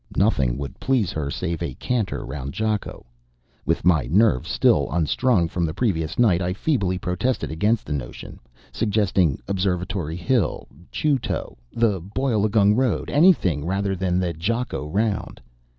Nothing would please her save a canter round Jakko. With my nerves still unstrung from the previous night I feebly protested against the notion, suggesting Observatory Hill, Jutogh, the Boileaugunge road anything rather than the Jakko round.